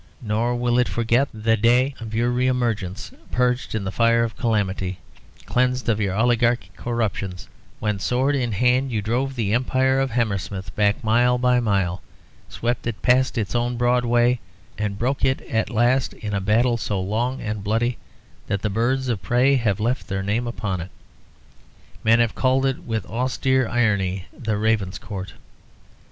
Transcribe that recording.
Nor will it forget the day of your re emergence, purged in the fire of calamity, cleansed of your oligarchic corruptions, when, sword in hand, you drove the Empire of Hammersmith back mile by mile, swept it past its own Broadway, and broke it at last in a battle so long and bloody that the birds of prey have left their name upon it. Men have called it, with austere irony, the Ravenscourt.